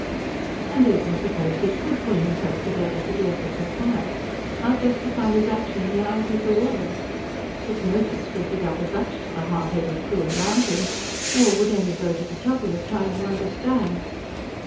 And even suppose he COULD pull himself together for the effort required, how justify his action in the eyes of the world? His motives would be double dutch to the hard headed crew around him; nor would any go to the trouble of trying to understand.